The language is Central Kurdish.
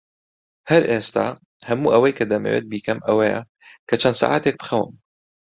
هەر ئێستا، هەموو ئەوەی کە دەمەوێت بیکەم ئەوەیە کە چەند سەعاتێک بخەوم.